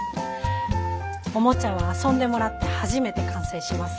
おもちゃは遊んでもらって初めて完成します。